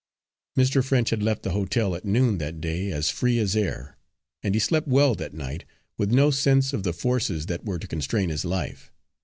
Mr. French had left the hotel at noon that day as free as air, and he slept well that night, with no sense of the forces that were to constrain his life.